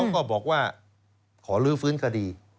ก็บอกว่าขอลื้อฟื้นคดี